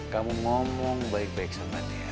kamu ngomong baik baik sama dia